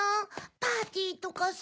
パーティーとかさ。